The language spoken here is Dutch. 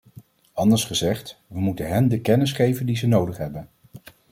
Anders gezegd, we moeten hen de kennis geven die ze nodig hebben.